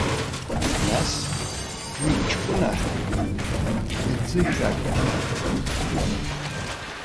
Нас, уи ҷкәына мӡышәак дақәтәоуп.